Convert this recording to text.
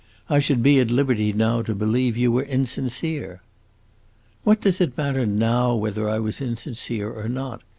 "I should be at liberty now to believe you were insincere." "What does it matter now whether I was insincere or not?